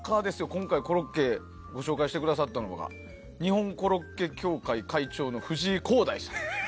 今回コロッケをご紹介してくださったのが日本コロッケ協会会長の藤井幸大さん。